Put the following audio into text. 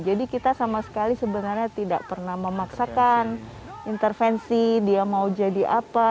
jadi kita sama sekali sebenarnya tidak pernah memaksakan intervensi dia mau jadi apa